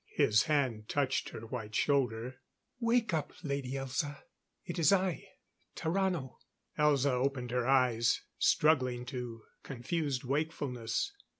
His hand touched her white shoulder. "Wake up, Lady Elza. It is I Tarrano." Elza opened her eyes, struggling to confused wakefulness.